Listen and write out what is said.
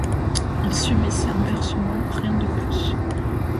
Il subissait un bercement, rien de plus.